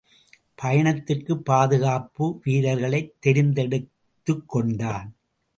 பயணத்திற்குப் பாதுகாப்பு வீரர்களைத் தெரிந்தெடுத்துக் கொண்டான்.